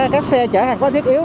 các xe chở hàng hóa thiết yếu